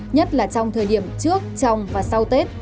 nhất là trong thời điểm trước trong và sau tết